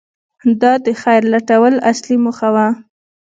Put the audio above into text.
• دا د خیر لټول اصلي موخه وه.